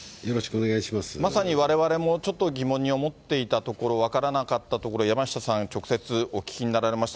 まさにわれわれもちょっと疑問に思っていたところ、分からなかったところ、山下さん、直接お聞きになられました。